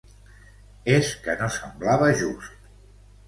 És que no semblava just.